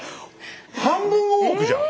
半分大奥じゃん！